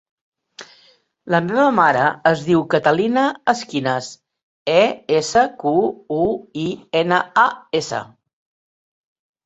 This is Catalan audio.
La meva mare es diu Catalina Esquinas: e, essa, cu, u, i, ena, a, essa.